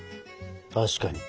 確かに。